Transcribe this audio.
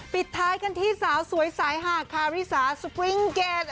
ปิดท้ายกันที่สาวสวยสายหาดคาริสาสปริงเกด